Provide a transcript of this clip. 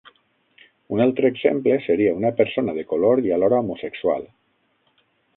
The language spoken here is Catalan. Un altre exemple seria una persona de color i alhora homosexual.